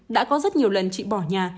đã có rất nhiều lần chị bỏ nhà